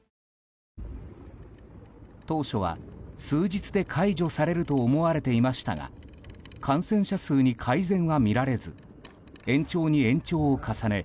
当初は数日で解除されると思われていましたが感染者数に改善は見られず延長に延長を重ね